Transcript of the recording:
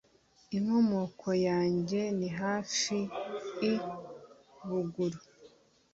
Inkomoko yange nihafi I Buguru.